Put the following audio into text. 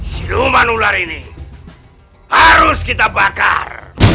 siluman ular ini harus kita bakar